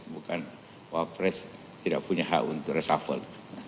bukan pak pres tidak punya hak untuk resafel